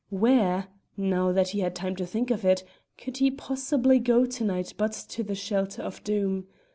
Where (now that he had time to think of it) could he possibly go to night but to the shelter of Doom?